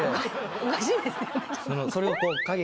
おかしいですよ